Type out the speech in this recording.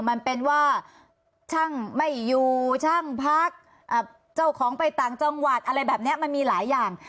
มันเป็นว่าช่างไม่อยู่ช่างพักเจ้าของไปต่างจังหวัดอะไรแบบนี้มันมีหลายอย่าง